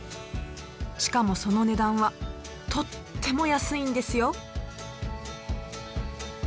しかもその値段はとっても安いんですよ！